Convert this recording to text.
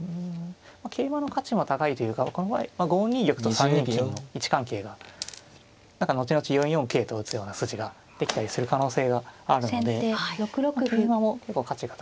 うん桂馬の価値の方が高いというかこの場合５二玉と３二金の位置関係が何か後々４四桂と打つような筋ができたりする可能性があるので桂馬も結構価値が高い